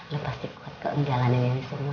lo pasti kuat kok ngejalanin ini semua